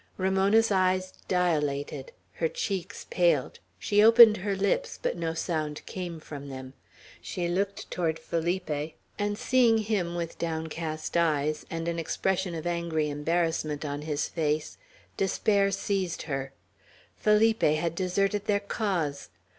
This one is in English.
Ramona's eyes dilated, her cheeks paled; she opened her lips, but no sound came from them; she looked toward Felipe, and seeing him with downcast eyes, and an expression of angry embarrassment on his face, despair seized her. Felipe had deserted their cause.